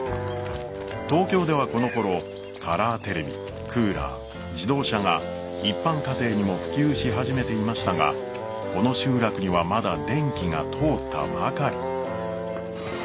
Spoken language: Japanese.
東京ではこのころカラーテレビクーラー自動車が一般家庭にも普及し始めていましたがこの集落にはまだ電気が通ったばかり。